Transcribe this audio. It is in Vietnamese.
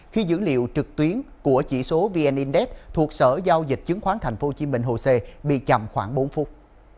tuy nhiên vụ tiến của chỉ số vn index thuộc sở giao dịch chứng khoán tp hcm bị chậm khoảng bốn phút